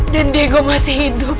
dan diego masih hidup